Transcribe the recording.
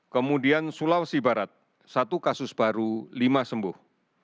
kemudian sulawesi barat satu kasus baru lima sembuh